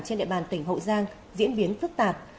trên địa bàn tỉnh hậu giang diễn biến phức tạp